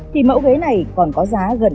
thì mẫu ghế này còn có giá gần năm mươi triệu đồng